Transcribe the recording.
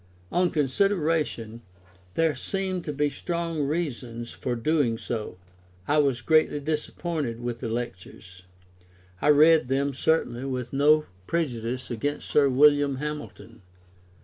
On consideration, there seemed to be strong reasons for doing so. I was greatly disappointed with the Lectures. I read them, certainly, with no prejudice against Sir William Hamilton.